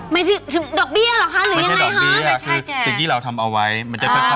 ไม่ใช่ดอกบี้หรอคะหรือยังไงคะไม่ใช่ดอกบี้ค่ะคือสิ่งที่เราทำเอาไว้มันจะค่อยออกออกมา